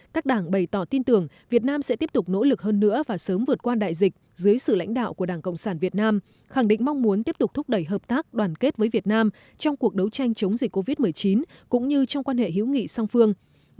các đảng bày tỏ tin tưởng việt nam sẽ tiếp tục nỗ lực hơn nữa và sớm vượt qua đại dịch dưới sự lãnh đạo của đảng cộng sản việt nam khẳng định mong muốn tiếp tục thúc đẩy hợp tác đoàn kết với việt nam trong cuộc đấu tranh chống dịch covid một mươi chín cũng như trong quan hệ hữu nghị song phương